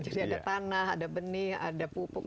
jadi ada tanah ada benih ada pupuk